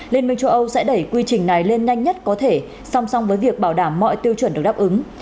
liên minh châu âu sẽ đẩy quy trình này lên nhanh nhất có thể song song với việc bảo đảm mọi tiêu chuẩn được đáp ứng